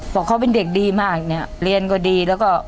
บอกเขาเป็นเด็กดีมากเนี่ยเรียนก็ดีแล้วก็